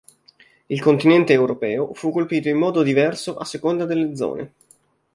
Il continente europeo fu colpito in modo diverso a seconda delle zone.